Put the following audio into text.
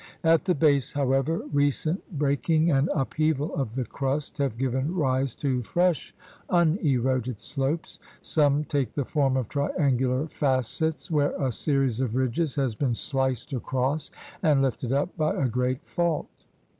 At the base, however, recent breaking and up heaval of the crust have given rise to fresh un eroded slopes. Some take the form of triangular facets, where a series of ridges has been sliced across and lifted up by a great fault.